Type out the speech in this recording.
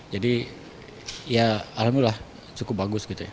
jadi ya alhamdulillah cukup bagus gitu ya